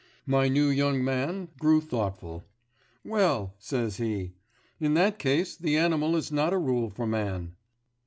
My "new young man" grew thoughtful. "Well," says he, "in that case the animal is not a rule for man."